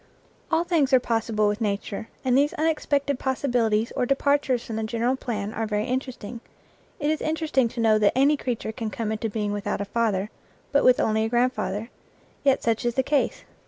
All things are possible with nature, and these unexpected possibilities or departures from the gen eral plan are very interesting. It is interesting to know that any creature can come into being without a father, but with only a grandfather, yet such is the case.